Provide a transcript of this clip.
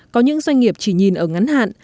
có những doanh nghiệp chỉ nhìn ở ngắn hạn